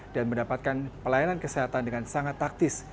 dan mendapatkan pelayanan kesehatan dengan sangat taktis